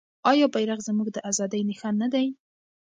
آیا بیرغ زموږ د ازادۍ نښان نه دی؟